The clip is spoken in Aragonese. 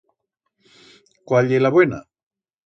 Cuál ye la buena?